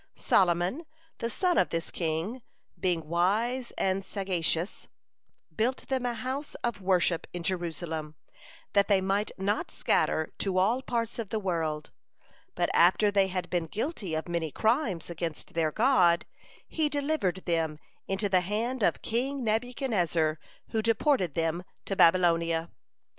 Solomon, the son of this king, being wise and sagacious, built them a house of worship in Jerusalem, that they might not scatter to all parts of the world. But after they had been guilty of many crimes against their God, He delivered them into the hand of King Nebuchadnezzar, who deported them to Babylonia.